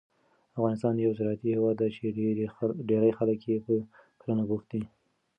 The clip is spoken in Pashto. افغانستان یو زراعتي هېواد دی چې ډېری خلک یې په کرنه بوخت دي.